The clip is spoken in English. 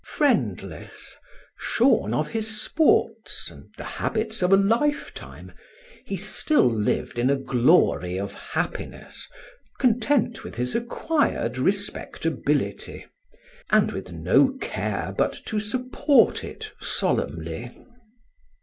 Friendless, shorn of his sports and the habits of a lifetime, he still lived in a glory of happiness, content with his acquired respectability, and with no care but to support it solemnly.